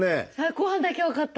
後半だけ分かった！